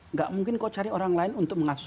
nggak mungkin kau cari orang lain untuk mengakses